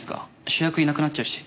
主役いなくなっちゃうし。